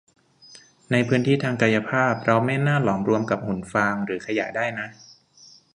ในพื้นที่ทางกายภาพเราไม่น่าหลอมรวมกับหุ่นฟางหรือขยะได้นะ